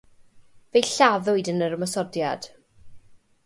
Fe'i lladdwyd yn yr ymosodiad.